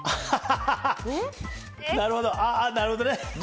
なるほど、なるほどね。